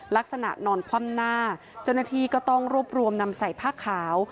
ลักษณะนอนคว่ำหน้าเจ้าหน้าที่ก็ต้องรวบรวมนำใส่ผ้าขาว